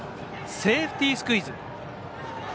セーフティースクイズ。